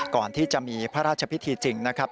ก่อนที่จะมีพระราชพิธีจริงนะครับ